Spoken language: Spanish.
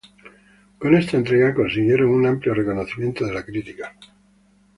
Con esta entrega consiguieron un amplio reconocimiento de la crítica.